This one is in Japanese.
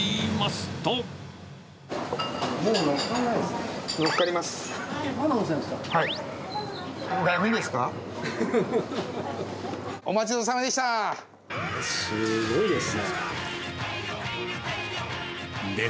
すごいですね。